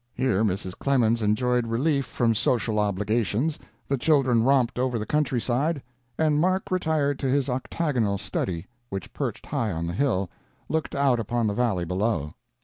Here Mrs. Clemens enjoyed relief from social obligations, the children romped over the countryside, and Mark retired to his octagonal study, which, perched high on the hill, looked out upon the valley below.